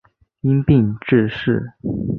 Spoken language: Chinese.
因病致仕。